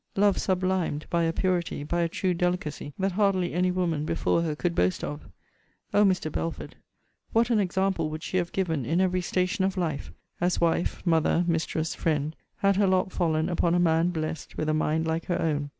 Love sublimed by a purity, by a true delicacy, that hardly any woman before her could boast of. O Mr. Belford, what an example would she have given in every station of life, (as wife, mother, mistress, friend,) had her lot fallen upon a man blessed with a mind like her own!